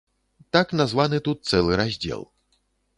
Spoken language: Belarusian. Так названы тут цэлы раздзел.